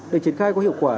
để triển khai có hiệu quả